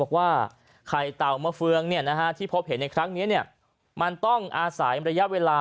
ว่าไข่เต่ามะเฟืองที่พบเห็นในครั้งนี้มันต้องอาศัยระยะเวลา